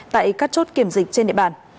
tại các chốt kiểm dịch trên địa bàn